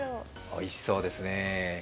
おいしそうですね。